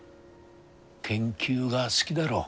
研究が好ぎだろう。